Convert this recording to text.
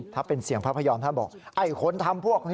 ถ้าเป็นเสียงพระพยอมท่านบอกไอ้คนทำพวกนี้